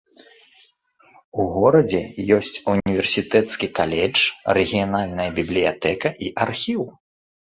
У горадзе ёсць універсітэцкі каледж, рэгіянальная бібліятэка і архіў.